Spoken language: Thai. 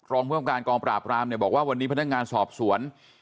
รองผู้การกองปราบรามเนี่ยบอกว่าวันนี้พนักงานสอบสวน